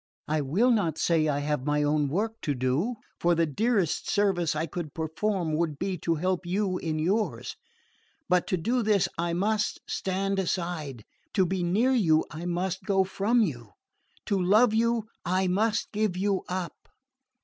I will not say that I have my own work to do; for the dearest service I could perform would be to help you in yours. But to do this I must stand aside. To be near you I must go from you. To love you I must give you up."